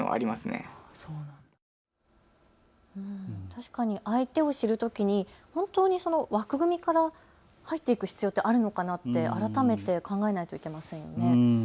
確かに相手を知るときに本当にその枠組みから入っていく必要ってあるのかなって改めて考えなきゃいけませんね。